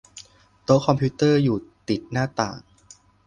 โต๊ะคอมพิวเตอร์อยู่ติดหน้าต่าง